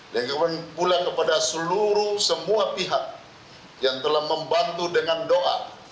dan kemudian pula kepada seluruh semua pihak yang telah membantu dengan doa